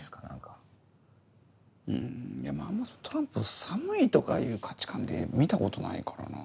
んあんまトランプを寒いとかいう価値観で見たことないからな。